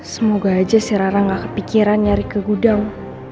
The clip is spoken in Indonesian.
semoga aja sih rara gak kepikiran nyari ke gudang